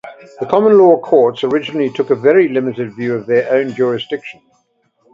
The common law courts originally took a very limited view of their own jurisdiction.